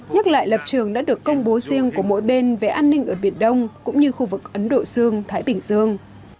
nhắc lại lập trường đã được công bố riêng của mỗi bên về an ninh ở biển đông cũng như khu vực ấn độ dương thái bình dương